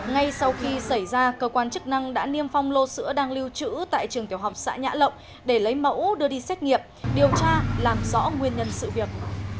ngay sau khi xảy ra cơ quan chức năng đã niêm phong lô sữa đang lưu trữ tại trường tiểu học xã nhã lộng để lấy mẫu đưa đi xét nghiệm điều tra làm rõ nguyên nhân sự việc